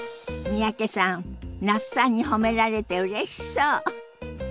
三宅さん那須さんに褒められてうれしそう。